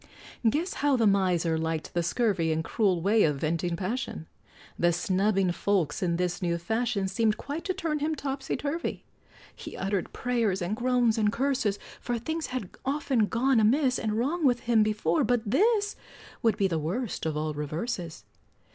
Guess how the miser liked the scurvy And cruel way of venting passion; The snubbing folks in this new fashion Seemed quite to turn him topsy turvy; He uttered prayers, and groans, and curses, For things had often gone amiss And wrong with him before, but this Would be the worst of all reverses!